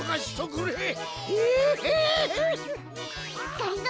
がりぞー